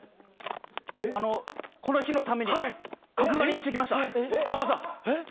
あのこの日のために角刈りにしてきましたさんまさん。